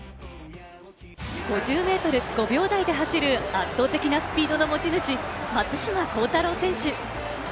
５０ｍ５秒台で走る圧倒的なスピードの持ち主・松島幸太朗選手。